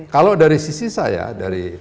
kalau dari sisi saya